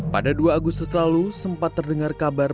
pada dua agustus lalu sempat terdengar kabar